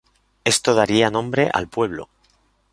Esto daría nombre al pueblo.